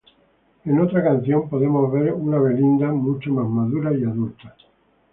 En esta canción podemos ver una Belinda mucho más madura y adulta.